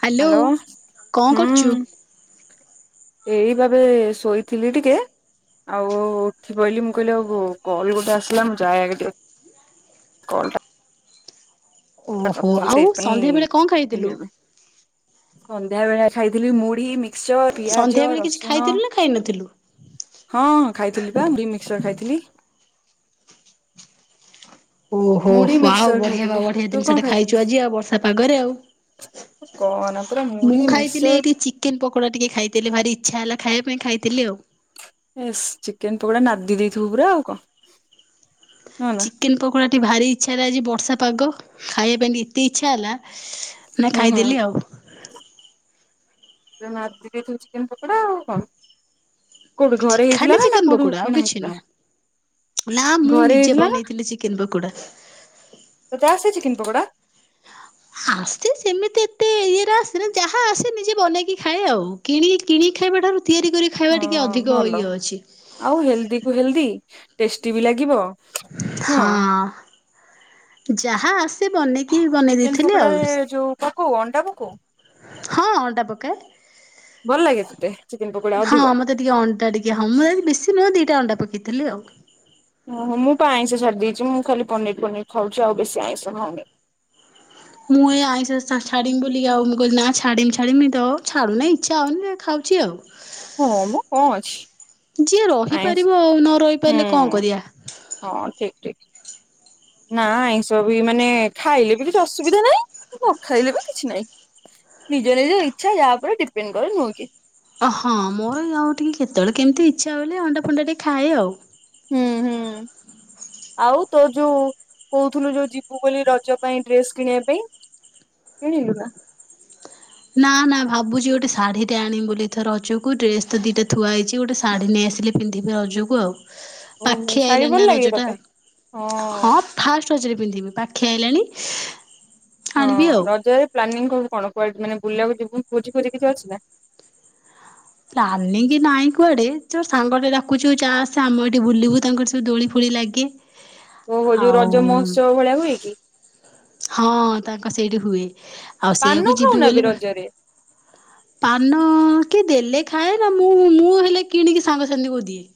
Hello କଣ କରୁଛୁ? ହୁଁ ଏଇ ଭାବେ ଶୋଇଥିଲି ଟିକେ ଆଉଠି ବହିଲି ମୁଁ କହିଲି ଆଉ କଲ୍ ଗୋଟେ ଆସିଲା ମୁଁ ଯାଗ କଲଟା ଓହୋ ଆଉ ସେଇଥିପାଇଁ ସନ୍ଧ୍ୟା ବେଳେ କଣ ଖାଇଥିଲୁ? ସନ୍ଧ୍ୟାବେେଳେ ଖାଇଥିଲି ମୁଢି ମିକ ପିଆଜ ସନ୍ଧ୍ୟା ବେଳେ କିଛି ରସୁଣ ଖାଇଥିଲୁ ନା ଖାଇ ନଥିଲୁ? ହଁ ଖାଇଥିଲି ପା ମୁ ମିକସଚର ଖାଇଥିଲି। ଓହୋ ମୁଢି ଆଉ ମିକ୍ସଚର ବଢିଆ ବା ଖାଇଥିଲି ବଢିଆ ତୁ କଣ ଜିନଷଟା ଖାଇଥିଲୁ? ଖାଇଛୁ ଆଜି ଆଉ ବର୍ଷା ପାଗରେ ଆଉ କହନା ପୁରା ମୁଁ ମୁଢି ଖାଇଥିଲି ମିକ୍ସଚର ଏଇଠି ଚିକେନ ପକୋଡା ଟିକେ ଖାଇଥିଲି ଭାରି ଇ୍ଛା ହେଲା ଖାଇବା ପାଇଁ ଖାଇଥିଲି ଆଉ। ଏ ଚିକେନ ପକୋଡା ନାଦି ଦେଇଥିବ ପୁରା ଆଉ କଣ। ହଁ ନା। ଚିକେନ ପକୋଡାଟି ଭାରି ଇଚ୍ଛାରେ ବ ବଷା ପାଗ ଖାଇବା ପାଇଁ ଏତେ ଇଚ୍ଛା ହେଲା। ନା ହୁଁ ହୁଁ। ଖାଇଦେଲି ଆଉ। ରେ ଚିକେନ ପକୋଡା ଆଉ କଣ? କୋଉଠି ଘରେ ଖାଲି ହେଇଥିଲା ନା ନା ଚିକେନ କୋଉଠି ପକୋଡା ଆଉ କିଣା କିଛି ହେଇଥିଲା ନୁହଁ। ନା ମୁଁ ଘରେ ନିଜେ ହେଇଥିଲା ନା ବନେଇଥିଲି ଚିକେନ ପକୋଡା। ତତେ ଆସିଛି କିନ୍ତୁ ଗଡ଼ା ଆସ ସେମିତି ଏତେ ଇଏରେ ଆସ ଯାହା ଆସ ନିଜେ ବନେଇକି ଖାଏ ଆଉ କି କିଣିକି ଖାଇବା ଠାରୁ ତିଆରି କରି ଖାଇବା ହଁ ଟିକେ ଅଧିକ ଭଲ ଇଏ ଅଛି। ଆଉ ହେଲଦି କୁ ହେଲଦି ଟେଷ୍ଟି ବି ଲାଗିବ। ହଁ ହଁ ଯାହାଜ ବନେଇ ଚିକେନ ଦେଇଥିଲି ଆଉ। ଫୋକଡରେ ଯୋଉ କୁ ଅଣ୍ଡା କଉ ହଁ ଅଣ୍ଡା ଭଲ ଲାଗେ ପକାଏ ତତେ ଚିକେନ ପକୋଡା ଅଧିକ ହଁ ମତେ ଟିକେ ଅଣ୍ଣ୍ଡା ଟିକେ ହଉ ମୁଁ ବେଶି ନୁହେଁ ଦିଟା ଅଣ୍ଡା ପକେଇ ରଖିଥିଲି ଆଉ। ଓହୋ ମୁଁ ପା ଆଇଁଷ ଛାଡି ଦେଇେଇଛି ମୁଁ ଖାଲି ପନିର ପନିର ଖାଉଛି ଆଉ ବେଶୀ ଆଇଁଷ ଖାଉନି। ମୁଁଇ ଆଇ ଛାି ବୋଲି ଆଉ ମୁଁ କିଲି ନା ଛାମି ଛାମି ତ ଛଡୁନି ଇଛା ହଉନି ଖାଉଛି ଆଉ। ହଁ ମୁଁ କଣ ଅଛି। ଯିଏ ଆଇଁଷ ରହିପାରିବ ଆଉ ନ ରହିପାରିଲେ କଣ ହୁଁ କରିବା। ହଁ ଠିକ ଠିକ ନା ଏସବ ବି ମାନେ ଖାଇଲେ ବି କିଛି ଅସୁବିଧା ନାହିଁ ନ ଖାଇଲେ ବି କିଛି ନାଇଁ ନିଜ ନିଜ ଇଚ୍ଛା ୟା ଉପରେ ଡିପେଣ୍ଡ କରେ ମୁଁ କି ଓହଁ ମୋର ଇ ଆଉ ଟିକେ କେତେବେଳେ କେମିତି ଇଚ୍ଛା ହଲେ ଅଣ୍ଡା ଫଣ୍ଡା ଟିକେ ଖାଏ ଆଉ। ହୁଁ ହୁଁ ଆଉ ତୋ ଯୋଉ କହୁଥିଲୁ ଯୋଉ ଯିବୁ ବୋଲି ରଜ ପାଇଁ ଡ୍ରେସ୍ କିଣିବା ପାଇଁ କିଣିଲୁ ନା ନା ନା ଭାବୁଛି ଗୋଟେ ଶାଢ଼ୀଟେ ଆଣିୁ ବୋଲି ଏଥ ରଜକୁ ଡ୍ରେସ ତ ଦିଟା ଥଆ ହେଇଛି ଗୋଟେ ଶାଢ଼ୀ ନେଇ ଆସିଲେ ପିନ୍ଧିବି ରଜକୁ ଆଉ। ଓୋ ପାଖେଇ ଆଇଲାଣି ନା ସାରିବଲ ଲାଗେ ରଜଟା ତେ ହଁ। କଚରୀ ପିନ୍ଧିବି ପାଖିଆଇଲାଣି। ହଁ ରଜରେ ପ୍ଲାନିଂ କୁ କଣ? କୁ ମାନେ ବୁଲିବାକୁ ଯ ଭୋଜି ପୋଜି କିଛି ଅଛି ନା ରାଣ କି ନାଇଁ କୁଆଡେ ଯୋଉ ସାଙ୍ଗ େ ଡାକୁଚିବ ଚାେ ଆମ ଏଇଠି ବୁଲିବୁ ତାଙ୍କର ସବୁ ଦୋଳି ଫୋଳି ଲାଗେ। ହଉ ହଉ ଯୋଉ ଆଉ ରଜ ମହୋତ୍ସବ ଭଳିଆ ହୁଏକି? ହଁ ତାଙ୍କ ସେଇଠି ହୁଏ। ଆଉ ପାନ ସେଇଆକୁ ଯିବି ଖାଉନା ବେ ବୋଲି ରଜରେ? ପାନ କେ ଦେଲେ ଖାଏ। ନା ମୁଁ ମୁଁ ହେଲେ କିଣିକି ସାଙ୍ଗ ସାାଥି କ ଦିଏ।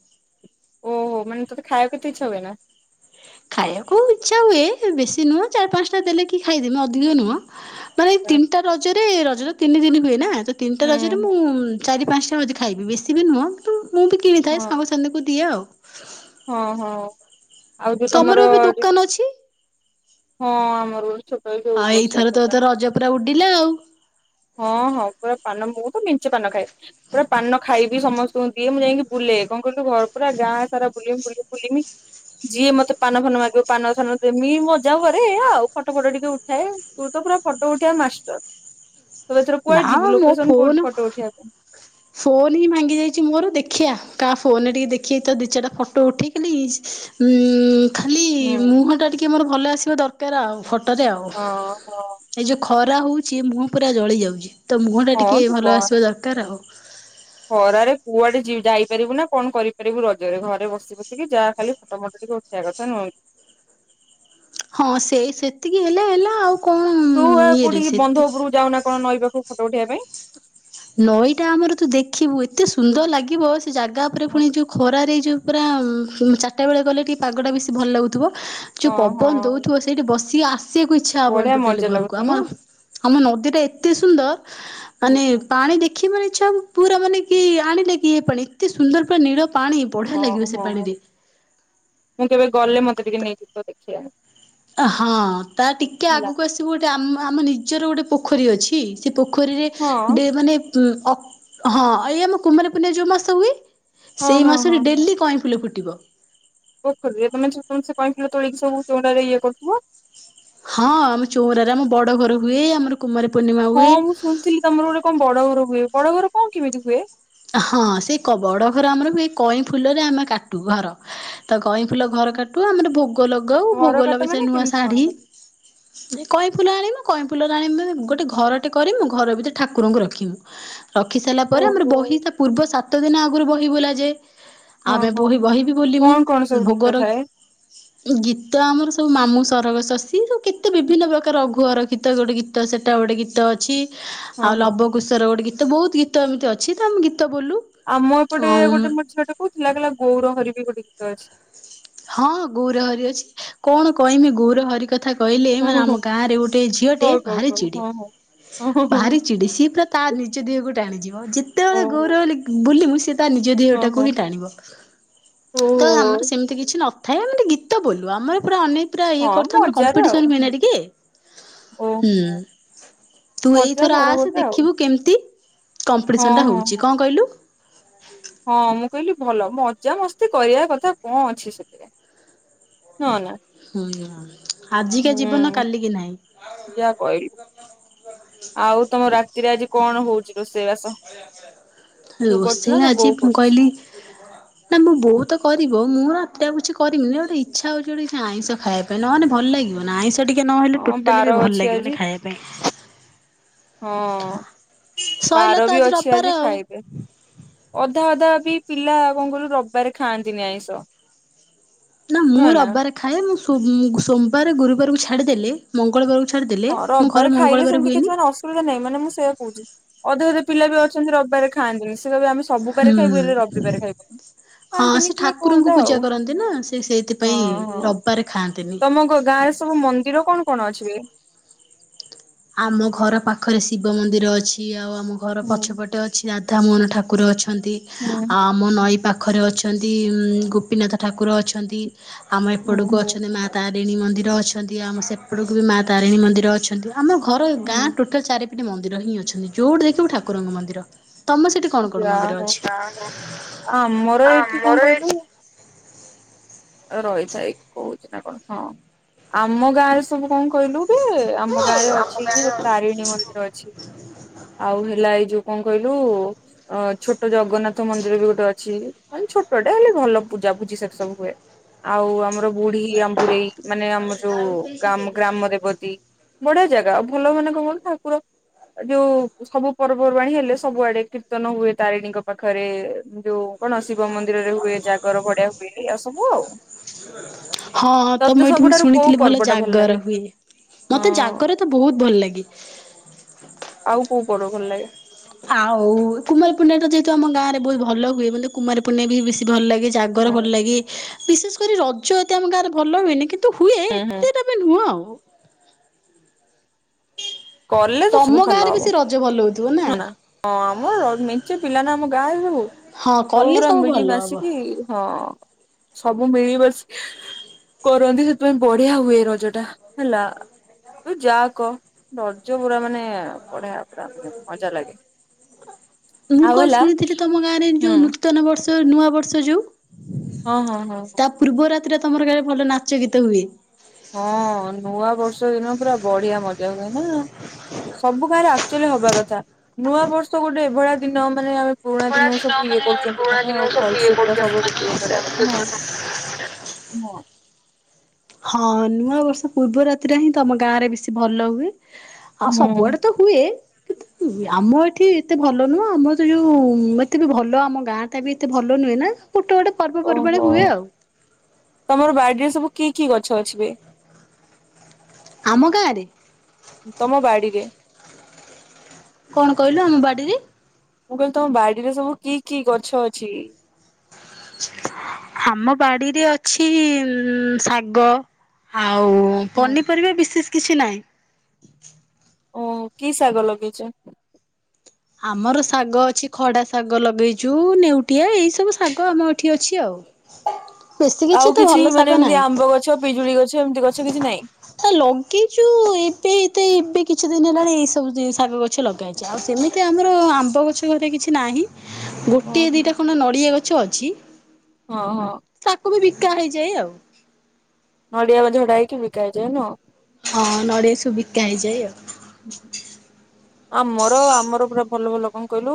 ତ ତ ଖାଇବାକୁ ଏତେ ଇଚ୍ଛା ହୁଏନା। ଖାଇବାକୁ ଇଚ୍ଛା ହୁଏ ବେଶୀ ନୁହଁ ଚାରି ପାଞ୍ଚ ଟା ଦେଲେ କି ଖାଇଦେମି ଅଧିକ ନୁହଁ। ମାନେ ତିନିଟା ରଜରେ ଏ ରଜ ତ ତିନି ଦିନ ହୁଏ ନା? ତ ତିନିଟା ହୁଁ ରଜରେ ମୁଁ ହୁଁ ଚାରି ପାଞ୍ଚ ଉଛି ଖାଇବି ବେଶୀ ବି ନୁହଁ କିନ୍ତୁ ମୁଁ ବି କିଣିଥାଏ ସାଙ୍ଗସାଙ୍ଗୀକୁ ଦିଏ ଆଉ ହଁ ହଁ। ଆଉ ଯୋଉ ତମର ଏବେ ଯୋଉ ଦୋକାନ ଅଛି? ହଁ ଆମର ଛୋ ଆଉ ଏଇଥର ତୋ ତ ରଜ ପୁରା ଉଡିଲା ଆଉ। ହଁ ହଁ ପୁରା ପାନ ମୁହୁ ତ ମିଞ୍ଚେ ପାନ ଖାଏ। ପୁରା ପାନ ଖାଇବି ସମସ୍ତଙ୍କୁ ଦିଏ ମୁଁ ଯାଇକି ବୁଲେ କଣ କହିଲୁ ଘର ପୁରା ଗାଁ ସାରା ବୁଲିମି ବୁଲିମି ବୁଲିମି ଯିଏ ମତେ ପାନ ଫାନ ମାଗିବ ପାନ ଫାନ ଦେମି ମଜା କରେ ଏୟା ଆଉ ଫଟୋ ଫଟ ଟିକେ ଉଠାଏ। ତୁ ତ ପୁରା ଫଟୋ ଉଠେଇବା ମାଷ୍ଟର। ତ ଏଥର ନା କୁଆଡେ ଯିବୁ ମୋ ଲୋକେସନ ଫୋନ କୋଉଠି ଫଟୋ ଉଠେଇବା ପାଇଁ? ଫୋନ ହିଁ ଭାଙ୍ଗି ଯାଇଛି ମୋର ଦେଖିଆ କା ଫୋନରେ ଟିକେ ଦେଖି ତ ଦି ଚାରିଟା ଫଟୋ ଉଠେଇଲି ଇନ ଉଁ ଖାଲି ହୁଁ ମୁହଁ ଟା ଟିକେ ମୋର ଭଲ ଆସିବା ଦରକାର ଆଉ ଫଟୋ ରେ ଆଉ ହଁ ହଁ ଏ ଯୋଉ ଖ ଖରା ହଉଛି ମୁହଁ ପୁରା ଜଳି ଯାଉଛି। ତ ମୁହଁ ଟା ହଁ ଟିକେ ତୁ ଭଲ କହନି। ଆସିବା ଦରକାର ଆଉ। ଖରାରେ କୁଆଡେ ଯାଇପାରିବୁ ନା କଣ କରିପାରିବୁ ରଜରେ ଘରେ ବସି ବସିକି ଯାହା ଖାଲି ଫୋଟମୋଟ ଟିକେ ଉଠେଇବା କଥା ନୁହନ୍ତି ହଁ ସେଇ ସେତିକି ହେଲେ ହେଲା ଆଉ କଣ ତୁ ଆଉ ଇଏରେ କୋଉଠିକି ବନ୍ଧ ସେତିକି ଉପରୁକୁ ଯାଉନା କଣ ନଇ ପାଖ ଫଟୋ ଉଠାଇବା ପାଇଁ ନଈଟା ଆମର ତୁ ଦେଖିବୁ ଏତେ ସୁନ୍ଦର ଲାଗିବ ସେ ଜାଗା ଉପରେ ପୁଣି ଯୋଉ ଖରାରେ ଯୋଉ ପୁରା ଚାରିଟା ବେଳେ ଗଲେ ଟିକେ ପାଗଟା ବେଶୀ ଭଲ ଲାଗୁ ଥିବ ଯୋଉ ହଁ ପବନ ହଁ ଦଉଥିବ ସେଇଠି ବସ ସିଏ ଆସ ଆସିବାକୁ ଇଚ୍ଛା ହବନି ବଢିଆ ଟୋଟାଲି ମଜା ଘରକୁ ଲାଗୁଥିବ ନୁହଁ? ଆମର ଆମ ନଦୀଟା ଏତେ ସୁନ୍ଦର ମାନେ ପାଣି ଦେଖି ମାନେ ଇଚ୍ଛାହେବ ପୁରା ମାନେ କି ଆଣିଲେ କି ପାଣି ଏତେ ସୁନ୍ଦର ପୁରା ନୀଳ ପା ହଁ ହଁ, ମୁଁ କେବେ ଗଲେ ମତେ ଟିକେ ନେଇକି ଯିବ ଦେଖିବା। ହଁଅ ତା ଟିକେ ହେଲା। ଆଗକୁ ଆସିବୁ ଗୋଟେ ଆମ ଆମ ନି ନିଜର ଗୋଟେ ପୋଖରୀ ଅଛି ସେ ପୋଖରୀରେ ହଁ ଡେ ମାନେ ଉଁ ଅ ହଁ ଏଇ ଆମ କୁମାର ପୂର୍ଣ୍ଣିମା ଯୋଉ ମାସ ହୁଏ। ହଁ ସେଇ ହଁ ହଁ ମାସରେ ହଁ। ଡେଲି କଇଁ ଫୁଲ ଫୁଟ୍ ଥିବ। ପୋଖରୀରେ ତମେ [inaudible] କଇଁ ଫୁଲ ତୋଳିକି ସବୁ‌ [inaudible] ଇଏ କରୁଥିବ। ହଁ ଆମ ଚଉରାରେ ଆମ ବଡ ଘର ହୁଏ ଆମର। କୁମାର ପୂର୍ଣ୍ଣିମା ହଁ ହୁଏ ମୁଁ ଶୁଣିଥିଲି ତମର ଗୋଟେ କଣ ବଡ ଘର ହୁଏ। ବଡ ଘର କଣ କେମିତି ହୁଏ? ହଁ ସେଇ କ ବଡ ଘର ଆମର ହୁଏ କଇଁ ଫୁଲରେ ଆମେ କାଟୁ ଘର ତାକୁ କଇଁ ଫୁଲ ଘର କାଟୁ ଆମର ଭୋଗ ଲଗାଉ ଘର ଭୋଗ କାଟ ଲଗେଇ ସେ ମାନେ ନୂଆ କେମିତି କଣ ଶାଢ଼ୀ କର? ଯେ କଇଁ ଫୁଲ ଆଣିବ। କଇଁପ୍ ଫୁଲ [inaudible] ଗୋଟେ ଘରଟେ କରି ମୁଁ ଘର ଭିତରେ ଠାକୁରଙ୍କୁ ରଖିବୁ। ରଖି ସାରିଲା ପରେ ଆମର ଓହୋ ବହି। ପୂର୍ବ ସାତ ଦିନ ଆଗରୁ ବହି ବୋଲା ଯାଏ। ହଁ ଆମେ ହଁ ବହି ବହିିବି ବୋଲିମୁ କଣ କଣ ସବୁ ଗୀତ ଭୋଗର, ଥାଏ? ଗୀତ ଆମର ସ ତୋ ମାମୁଁ ସରଗ ଶଶୀରୁ କେତେ ବିଭିନ୍ନ ପ୍ରକାର ରଘୁ ଅରକ୍ଷି ଗୀତ ଗୋଟେ ଗୀତ ସେଇଟା ଗୋଟେ ଗୀତ ଅଛି। ହଁ ଆଉ ହଁ ଲବକୁଶର ଗୋଟେ ଗୀତ୍ ତ ବହୁତ୍ ଗୀତ ଏମିତି ଅଛି ତ ଆମ ଗୀତ୍ ଆମ ଏପଟେ ଗୋଟେ ମୋତେ ଝିଅଟେ କହୁଥିଲା କହିଲା ଗୌରହରି ବି ଗୋଟେ ଗୀ ତ ଅଛି। ହଁ ଗୌରହରି ଅଛି କଣ କହିମି ଗୌରହରି କଥା। କହିଲେ ହୁଁ ମାନେ ହୁଁ ହୁଁ ଆମ ଗାଁଆରେ ଗୋଟେ ଝିଅଟେ କହ କହ ଭାରି କହ ଚିଡେ, ହଁ ହଁ। ଓ ହୋ ଭାରି ଚିଡେ ସିଏ ପୁରା ତା ନିଜ ଦେହକୁ ଟାଣିଯିବ ହୋ ଯେତେବେଳେ ଓହୋ ଗୌରହରି ବୋଲିବୁ ତା ନିଜ ହଁ ଦେହଟାକୁ ହଁ ହିଁ ଟାଣିବ, ତ ଆମର ଓହୋ। ସେମିତି କିଛ୍ ନଥାଏ ଏମିତି ଗୀତ ବୋଲୁ ଆମର ପୁରା ଅନେକ୍। ପୁରା ଏ ହଁ କରିଥାଉ ମଜାରେ ଆଉ କମ୍ପିଟେସନ୍ ହୁଏନା ଟିକେ, ଓ ହୁଁ ତୁ ମଜା ଏଇଥର ବର ଆସ ଗୋଟେ ଆଉ ଦେଖିବୁ କେମିତି? ହଁ କମ୍ପିଟିସନଟା ହଁ ହଉଛି, ହଁ। କଣ କହିଲୁ? ହଁ ମୁଁ କହିଲି ଭଲ ମଜା ମସ୍ତି କରିବା କଥା କଣ ଅଛି ସେଥିରେ ନ ନା। ହୁଁ ଆଜିକା ଜିବନ ହୁଁ କାଲିକି ନାହିଁ। ଯାହା କହିଲୁ ହ ଆଉ ତମ ରାତିରେ ଆଜି କଣ ହଉଛି ରୋଷ କରୁଛୁ ରୋଷେଇ ନା ତୋ ଆଜି ବୋଉ ମୁଁ କରୁଛି? କହିଲି ନା ମୋ ବୋଉତ କରିବ। ମୋର ଆଟ୍ଟା ପଛେ କରିମି ଗୋଟେ ଇଚ୍ଛା ହଉଛି କିଛି ଗୋଟେ ଆଇଁଷ ଖଇବା ପାଇଁ ନହେନେ ଭଲ ଲାଗିବ ନା ଆଇଁଷ ତ ଟିକେ ନହେଲେ ହଁ ଟୋଟାଲି ବାର ବି ଭଲ ଅଛି ଆଜି ଲାଗିବନି ଖାଇବା ପାଇଁ। ହଁ ସଇଲା ବାର ତ ବି ଅଛି ରବିବାର ଆଜି ଆଉ। ଖାଇବେ। ଅଧ୍ ଅଧା ଅଧା ବି ପିଲା କଣ କଇଲୁ ରବବାରେ ଖାଆନ୍ତିନି ଆଇଁଷ। ନା ମୁଁ ରବବାରେ ଖାଏ। ମୁଁ ଶୁ ମୁଗ ସୋମବାର, ଗୁରୁବାରକୁ ଛାଡିଦେଲେ ମଙ୍ଗଳବାରକୁ ଛାଡ଼ିଦେଲେ ହଁ ଆମ ଘରେ ରବିବାର ଖାଇଲେ ମଙ୍ଗଳବାର ସେମିତି ହୁଏନି କିଛି ମାନେ ଅସୁବିଧା ନାହିଁ। ମାନେ ମୁଁ ସେୟଆ କହୁଛି। ଅଧେ ଅଧେ ପିଲା ବି ଅଛନ୍ତି ରବିବାରେ ଖଆନ୍ତିନି। ସେ କହିବେ ଆମେସ ହୁଁ ହଁ ଖାଆନ୍ତିନି ସେ କିଏ ଠାକୁରଙ୍କୁ କୋଉଟା ପୂଜା ଆଉ କରନ୍ତି ନା ସେ ହଁ ସେଇଥିପାଇଁ ହଁ। ରବବାରେ ଖାଆନ୍ ତମ ଗ-ଗାଁ ରେ ସବୁ ମନ୍ଦିର କଣ? କଣ ଅଛି ବେ? ଆମ ଘର ପାଖରେ ଶିବ ମନ୍ଦିର ଅଛି ଆଉ ଆଉ ଆମ ଘର ହୁଁ ପଛପଟେ ଅଛି ରା ତା ମୁଁହରେ ଠାକୁର ଅଛ। ଅନ୍ତି ହୁଁ ହୁଁ ଆ-ଆମ ନଈ ପାଖ୍ ପାଖରେ ଅଛନ୍ତି ଇମ୍ ଗୋପୀନାଥ ଠାକୁର ଅଛନ୍ତି। ଆମ ହୁଁ ଏପଡ଼କୁ ହୁଁ ଅଛନ୍ତି ମା ତା ରିଣୀ ମନ୍ଦିର ଅଛନ୍ତି। ଆମ ସେପଟକୁ ବି ମା ତାରିଣୀ ମନ୍ଦିର ଅଛନ୍ତି। ଆମ ଘର ହୁଁ ଗାଁ ଟୋଟାଲ ଚାରି ହେଠି ମନ୍ଦିର ହିଁ ଅଛନ୍ତି ଯୋଉଠି ଦେଖିବ ଠାକୁରଙ୍କ ମନ୍ଦିର। ତମ ସେଠି କଣ କଣ ଯା ମନ୍ଦିର ହଉ ଅଛି? ଆମର ଏଠି କଣ କହିଲୁ ରହିଥାଏ କୋହୁ ହଁ ଆମ ଗାଁ ରେ ସବୁ କଣ କହିଲୁ? ସେ ଆମ ଗାଁ ରେ ଆମ ଅଛି ଗାଁରେ କି ତାରିଣୀ ମନ୍ଦିର ଅଛି। ଆଉ ହେଲା ଏଇ ଯଉ କଣ କହିଲୁ ଅ ଛୋଟ ଜଗନ୍ନାଥ ମନ୍ଦିର ବି ଗୋଟେ ଅଛି ମାନେ ଛୋଟଟା ହେଲେ ଭଲ ପୂଜା ପୂଜି ସେଟା ସବୁ ହୁଏ ଆଉ ଆମର ବୁଢୀ ଆଁମ୍ବୁରେଇ ମାନେ ଆମର ଯୋଉ ଅଛି ଗ୍ରାମ ଗ୍ରାମଦେବଦତି ବଢିଆ ଜାଗା ଆଉ ଭଲ ମାନେ କଣ କହିଲୁ ଠାକୁର।। ଯୋଉ ସବୁ ପର୍ବର୍ବାଣୀ ହେଲେ ସବୁଆଡେ କୀର୍ତ୍ତନ ହୁଏ ତାରିଣୀଙ୍କ ପାଖରେ ଯୋଉ କଣ ଶିବ ମନ୍ଦିରରେ ହୁଏ ଜାଗର ଭଡିଆ ହୁଏ ଏଇଆ ସବୁ ଆଉ। ହଁ ତ ତତେ ମୁଁ ଏଇଠି ମୁ ସବୁଠାରୁ କୋଉ ଶୁଣିଥିଲି ଭଲ ପର୍ବ ଟା ଲାଗେ ଜାଗର ହୁଏ ମତେ ହଁ ଜାଗର ତ ବହୁତ ଭଲ ଲାଗେ। ପୁ ପଡ ଭଲ ଲାଗେ। ଆଉ କୁମାରୀ ପୁଣ୍ଣି ଟା ଯେହେତୁ ଆମ ଗାଁ ରେ ବହୁତ ଭଲ ହୁଏ ମେ କୁମାର ପୁଣ୍ଣି୍ୟା ବି ବେଶୀ ଭଲ ଲାଗେ। ଜାଗର ଭଲ ହୁଁ ଲାଗେ। ବିଶେଷ କରି ରଜ ଏତେ ଆମ ଗାଁରେ ଭଲ ହୁଏନି କିନ୍ତୁ। ହୁଁ ହୁଁ। କୁଅ। କଲେ ତ ସବୁ ଭଲ ଗାଁରେ ହବ ବେଶୀ ରଜ ଭଲ ହଉଥିବ ନା ହଁ ଆମର ମିଞ୍ଚେ ପିଲା ନା ଆମ କା ହଁ ସବୁ କଲେ ପା ସବୁ ମିଳି ଭଲ ହବ। ମାସିକି ହଁ ସବୁ ସବୁ ମିଳିିବାସି କରନ୍ତି ସେଥିପାଇଁ ବଢିଆ ହୁଏ ରଜ ଟା ହେଲା ତୁ ଯା କହ। ଦର୍ଜ ପୁରା ମାନେ ପଢବା ପୁରା ମାନେ ମଜା ଲାଗେ। ମୁଁ ଆଉ କଣ ହେଲା ଶୁଣିଥିଲି ତମ ଗାଁ ରେ ହୁଁ ଯୋଉ ନୂତନ ବର୍ଷ ନୂଆ ବର୍ଷ ଯୋଉ ହଁ ହଁ ହଁ ହ। ରେ ତମର କେ ଭଲ ନାଚ ଗୀତ ହୁଏ। ହଁ ନୂଆ ବର୍ଷ ଦିନ ପୁରା ବଢିଆ ମଜା ହୁଏ ନା। ସବୁ କ ଚ ହବା କଥା ନୂଆ ବର୍ଷ ଗୋଟେ ଏଭଳିଆ ଦିନ ମାନେ ପୁରୁଣା ପରା ଦିନକୁ ଦିନ ସବୁ ଇଏ ମାନେ କରୁଛନ୍ତି ପରା ମାନେ ଆଉ ଦିନ ସବୁ ଇଏ ଭଲସେ ପୁରା କରଛ। ସବୁ ଇଏ କରିବା କଥା ନା ଆଉ। ହଁ ହଁ ନୂଆ ବର୍ଷ ପୂର୍ବ ରାତିରେ ହିଁ ତମ ଗାଁରେ ବି ବେଶୀ ଭଲ ହୁଏ। ଆସା ହୁଁ। ପୁଆଟା ତ ହୁଏ। କିନ୍ତୁ ଆମ ଏଠି ଏତେ ଭଲ ନୁହଁ ଆମର ତ ଯୋଉ ଏତେ ବି ଭଲ ଆମ ଗାଁ ଟା ବି ଏତେ ଭଲ ନୁହେଁ ନା। ଗୋଟେ ଗୋଟେ ପର୍ବପର୍ବାଣ ଓହୋ ହୁଏ ଆଉ। ତମର ବାଡିରେ ସବୁ କି କି ଗଛ ଆଛିବ। ଆମ ଗାଁ ରେ ତମ ବାଡ଼ିରେ? କଣ କହିଲୁ ଆମ ବାଡିରେ ମୁଁ କହିଲି ତମ ବାଡିରେ ସବୁ କି କି ଗଛ ଅଛି। ଆମ ବାଡିରେ ଅଛି ଶାଗ ଆଉ ହୁଁ। ପନିପରିବା ବିଶେଷ କିଛି ନାହିଁ। ଓ କି ଶାଗ ଲଗେଇଛ? ଆମର ଶାଗ ଅଛି ଖଡା ଶାଗ ଲଗେଇଛୁ ନେଉଟିଆ ଏଇ ସବୁ ଶାଗ ଆମ ଏଠି ଅଛି ଆଉ। ବେଶୀ କିଛି ଆଉ ତେ ଭଲ ଶାଗ ମାନେ ଏମିତି ନାହିଁ ଆମ୍ବ ଗଛ ପିଜୁଳି ଗଛ ଏମିତି ଗଛ କିଛି ନାହିଁ? ଆ ଲଗେଇଛୁ ଏବେ ଏତ କିଛି ଦିନ ହେଲାଣି ଏଇ ସବୁ ଶାଗ ଗଛ ଲଗାାଇଛି ଆଉ ସେମିତି। ଏ ଆମର ଆମ୍ବ ଗଛ ଘରେ କିଛି ନାହିଁ। ଗୋଟିଏ ଓହୋ। ଦିଇଟା ଖଣ୍ଡ ନଡ଼ିଆ ଗଛ ଅଛି। ହଁ ହଁ। କା ହେଇଯାଏ ଆଉ। ନଡ଼ିଆ ବ ଝଡା ହେଇକି ବିକା ହେଇଯାଏ ନୁହଁ। ହଁ ନଡିଆ ସୁୁ ବିକା ହେଇଯାଏ ଆଉ। ହୁଁ। ଆମର ଆମର ପୁରା ଭଲ ଭଲ। କଣ କହିଲୁ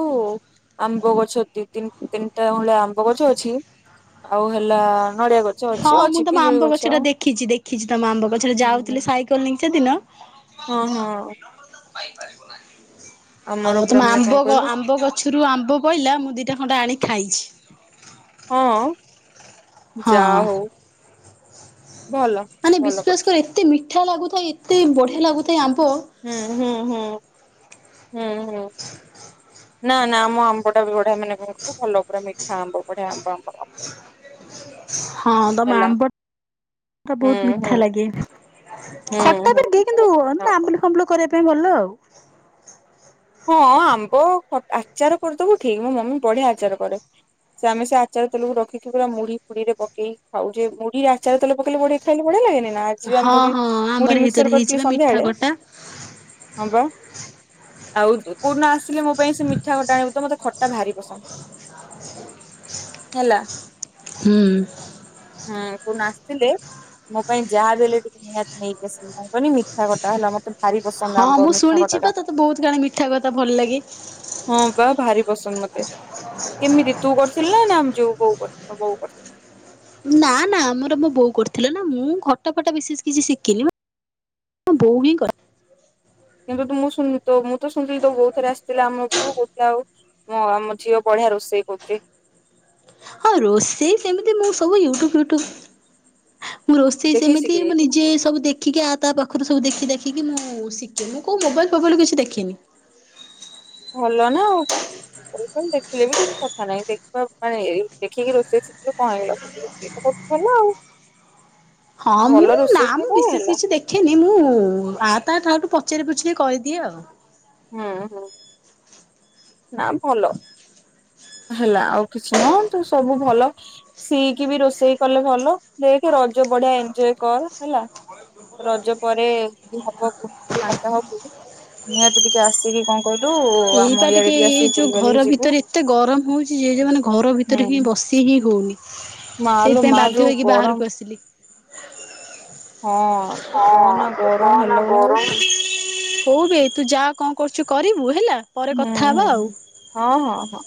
ଆମ୍ବ ଗଛ ଦି ତିନ ତିନଟା ଭଳିଆ ଆମ୍ବ ଗଛ ଅଛି ଆଉ ହେଲା ନଡିଆ ଗ ହଁ ମୁଁ ତମ ଆମ୍ବ ଗଛ ଟା ଦେଖିଛି ଦେଖିଛି ତମ ଆମ୍ବ ଗଛଟା ଯାଉଥିଲି ହୁଁ। ସାଇକେଲ ନେଇକି ସେଦିନ ହଁ ହଁ। ପାଇପାରିବୁ ନା ଆମର ଆଉ ପୁରା ତମ ମାନେ କଣ ଆମ୍ବ କହିଲୁ ଆମ୍ବ ଗଛରୁ ଆମ୍ବ ପଇଲା ମୁଁ ଦିଟା ଖଣ୍ଡେ ଆଣିକି ଖାଇଛି। [unintelligible] ହଁ ଯା ହଉ। ଭଲ। ମାନେ ଭଲ ବିଶ୍ୱଵାସ କରୁଛୁ କର ଏତେ ମି ମିଠା ଲାଗୁଥାଏ ଏତେ ବଢିଆ ଲାଗୁଥାଏ ଆମ ହୁଁ ହୁଁ ହୁଁ। ହୁଁ ହୁଁ ନା ନା ଆମ ଆମ୍ବ ଟା ବି ବଢିଆ ମାନେ କଣ ଭଲ ପୁରା ମିଠା ଆମ୍ବ ବଢିଆ ଆମ୍ବ ଆମ୍ବ ହଁ ତମ ଆମ୍ବ ଟା ହୁଁ ବହୁତ ହୁଁ ମିଠା ଲାଗେ। ହୁଁ ଖଟା ବି ହୁଁ କରଦିଏ କିନ୍ତୁ ବହୁତ ମିଠା ଆମ୍ବ। ଆମ୍ବୁଲ ଫାମ୍ୱୁଲ କରିବ ଭଲ ଆଉ। ହଁ ଆମ୍ବ ଖ-ଆଚାର କରିଦବୁ ଠିକ ମୋ ମମି ବଢିଆ ଆଚାର କରେ ଯେ ଆମେ ସେ ଆଚାର ତେଲକୁ ରଖିକି ପୁରା ମୁଢି ଫୁଡିରେ ପକେଇ ଖାଉଛେ ମୁଢି ଆଚାର ତେଲ ପକେଇକି ଖାଇଲେ ମୁଢି ବଢିଆ ଲାଗେନି ନା। ଆଜି ବା ହଁ ମୁଢ ହଁ ଆମର ମୁଢି ହେଇଥର ମିକ୍ସଚର ହେଇଛି ବା କରିଥିଲି ମିଠା ସନ୍ଧ୍ୟାଳେ ଖଟା ହଁ ବା। ଆଉ କୋଉଦିନ ଆସିଲେ ମୋ ପାଇଁ ସେ ମିଠା ଖଟା ଆଣିବୁ ତ ମୋତେ ଖଟା ଭାରି ପସନ୍ଦ ହେଲା। ହୁଁ। ତୁ ନା ଆସିଲେ ମୋ ପାଇଁ ଯାହା ବି ହେଲେ ଟିକେ ନିହାତି ନେଇକି ଆସିବୁ କଣ କହନି ମିଠା ଖଟା ହେଲା ମୋ ଭାରି ପସନ୍ଦ ଆମ୍ୱ ମିଠା ଖଟାଟା ଜଣେ ମିଠା କଥା ଭଲ ଲାଗେ। ବା ଭାରି ପସନ୍ଦ ମତେ କେମିତି ତୁ କରିଥିଲୁ ନା ନା ଆମ ଯୋଉ ବୋଉ ବୋଉ କରିଥିଲେ। ନା ନା ଆମର ମୋ ବୋଉ କରିଥିଲା ନା ମୁଁ ଖଟା ଫଟା ବିଶେଷ କିଛି ଶିଖିନି ମୋ ବୋଉ ହିଁ କରି କିନ୍ତୁ ତୁ ମୁଁ ଶୁ ତ ମୁଁ ତ ଶୁଣିଥିଲି ତୋ ବୋଉ ଥରେ ଆସିଥିଲା ଆମ ଉପରୁ କୋହୁଥିଲେ ଆଉ ଆମ ଝିଅ ବଢିଆ ରୋଷେଇ କରୁଛି। ହଁ ରୋଷେଇ ସେମିତି ମୁଁ ସବୁ ୟୁଟୁବ ଫ୍ୟୁଟୁବ ମୁଁ ରୋଷେଇ ଦେଖିକି ସେମିତି ଶିଖି ମୁଁ ଯାଇଛି ନିଜେ ସବୁ ଦେଖିକି ଆ ତା ପାଖରୁ ସବୁ ଦେଖି ଦେଖିକି ମୁଁ ଶିଖେ। ମୁଁ କୋଉ ମୋବାଇଲ ଫୋବାଇଲ ରୁ କିଛି ଦେଖିନି। ଭଲ ନା ଆଉ ଆଜି କାଲି ଦେଖିଲେ ବି କିଛି କଥା ନାହିଁ ଦେଖିବା ମାନେ ଦେଖିକି ରୋଷେଇ ଶିଖିଲେ କଣ ହେଇଗଲା। ରୋଷେଇ ତ। [unintelligible] ହଁ ମୁଁ ଭଲ ନା ରୋଷେଇ ଯେ ମୁଁ କଣ ବିଶେଷ ହେଲା କିଛି ଦେଖେନି ମୁଁ ଆ ତା ଠାରୁ ପଚାରି ପୁଚୁରି କରିଦିଏ ଆଉ। ହୁଁ ହୁଁ ନା ଭଲ। ହେଲା ଆଉ କିଛି ନୁହଁ ତ ସବୁ ଭଲ ସିଇକି ବି ରୋଷେଇ କଲେ ଭଲ ଦେଖ ରଜ ବଢିଆ ଏଞ୍ଜୟ୍ କର ହେଲା ରଜ ପରେ ଯଦି ହବ ଫାଙ୍କା ହବ ନିହାତି ଟିକେ ଆସିକି କଣ କହିଲୁ ଆମ ଏଇପା ଇଆଡେ ଟିକେ ଏଇ ଆସିି ଯୋଉ ଘର ବୁଲିବାଲିକି ଯିବୁ। ଭିତରେ ଏତେ ଗରମ ହଉଛି ଯେ ମାନେ ଘର ଭିତରେ ହିଁ ହୁଁ। ବସି ହିଁ ହଉନି। ମାଲୋ ସେଇଥିପାଇଁ ମା ବାଧ୍ୟ ଯୋଉ ହେଇକି ଗରମ ବାହାରକୁ ଆସିଲି। ହଁ ତୁ ହଁ କହନା ତୁ ଗରମ କହନା ହେଲା ଭଳିଆ ଗରମ ହଉଛି। ହଉ ବେ ତୁ ଯା କଣ କରୁୁ ରୁଚୁ କରିବୁ ହେଲା। ପରେ ହୁଁ କଥା ହବା ଆଉ। ହଁ ହଁ ହଁ।